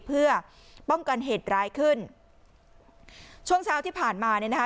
เพื่อป้องกันเหตุร้ายขึ้นช่วงเช้าที่ผ่านมาเนี่ยนะคะ